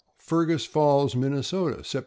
" FERGUS FALLS, MINN., Sept.